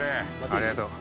ありがとう。